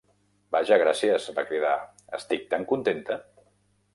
Vaja, gràcies!, va cridar. Estic tant contenta!